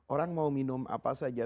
orang mau minum apa saja